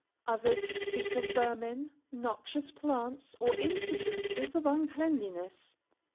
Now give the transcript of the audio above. Others speak of vermin, noxious plants, or instances of uncleanliness.